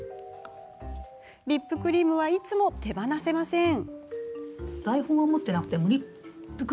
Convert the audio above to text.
リップクリームはいつも手放せません。